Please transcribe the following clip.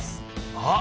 あっ！